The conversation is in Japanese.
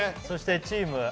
そして飛鳥チーム。